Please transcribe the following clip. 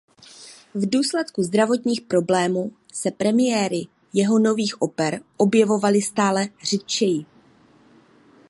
V důsledku zdravotních problémů se premiéry jeho nových oper objevovaly stále řidčeji.